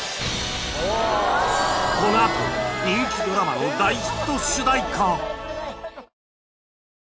このあと人気ドラマの大ヒット主題歌